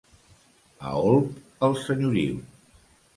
A Olp, el senyoriu.